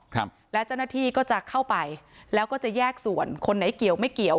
ครับและเจ้าหน้าที่ก็จะเข้าไปแล้วก็จะแยกส่วนคนไหนเกี่ยวไม่เกี่ยว